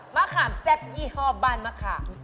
มะขามแซ่บยี่ห้อบ้านมะขาม